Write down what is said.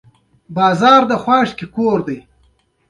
هلته هر څه پیدا کیږي.